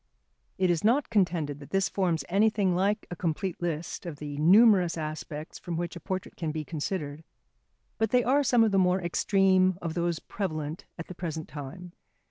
It is not contended that this forms anything like a complete list of the numerous aspects from which a portrait can be considered, but they are some of the more extreme of those prevalent at the present time.